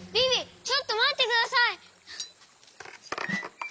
ちょっとまってください！